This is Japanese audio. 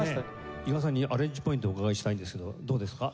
伊賀さんにアレンジポイントをお伺いしたいんですけどどうですか？